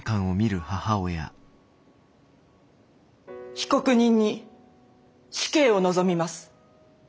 被告人に死刑を望みます。